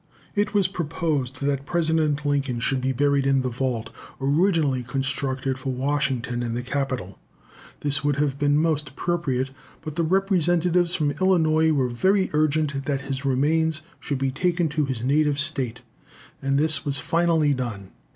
It was proposed that President Lincoln should be buried in the vault originally constructed for Washington in the Capitol. This would have been most appropriate; but the representatives from Illinois were very urgent that his remains should be taken to his native state, and this was finally done.